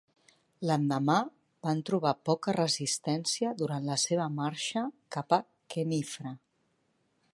L'endemà, van trobar poca resistència durant la seva marxa cap a Khenifra.